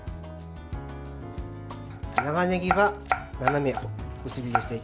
長ねぎは斜め薄切りにしていきます。